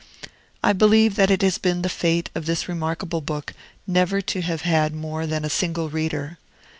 I believe that it has been the fate of this remarkable book never to have had more than a single reader.